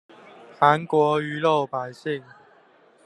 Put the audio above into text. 韓國魚肉百姓